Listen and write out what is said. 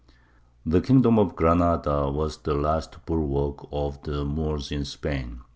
The kingdom of Granada was the last bulwark of the Moors in Spain.